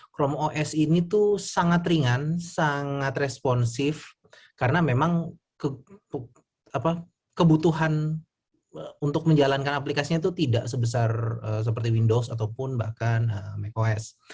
chrome os ini tuh sangat ringan sangat responsif karena memang kebutuhan untuk menjalankan aplikasinya itu tidak sebesar seperti windows ataupun bahkan mac os